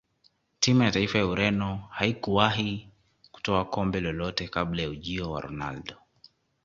timu ya taifa ya ureno haikuwahi kutwaa kombe lolote kabla ya ujio wa ronaldo